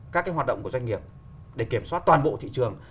các cái hoạt động của doanh nghiệp để kiểm soát toàn bộ thị trường